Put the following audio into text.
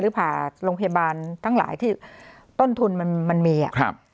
ผ่าโรงพยาบาลทั้งหลายที่ต้นทุนมันมันมีอ่ะครับ